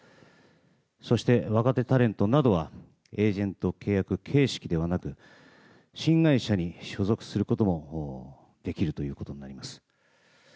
そして、若手タレントなどはエージェント契約形式ではなく新会社に所属することもできるということになります。